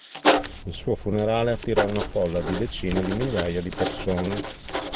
Il suo funerale attirò una folla di decine di migliaia di persone.